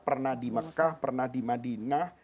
pernah di mekah pernah di madinah